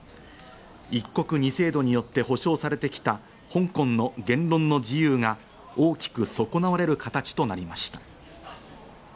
一国二制度によって保障されてきた香港の言論の自由が大きく損なわれる形となりました。